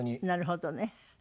なるほどね。